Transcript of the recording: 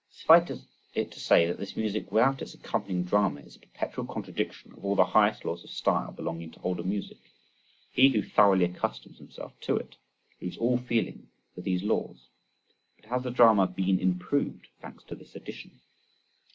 Suffice it to say that this music without its accompanying drama, is a perpetual contradiction of all the highest laws of style belonging to older music: he who thoroughly accustoms himself to it, loses all feeling for these laws. But has the drama been improved thanks to this addition?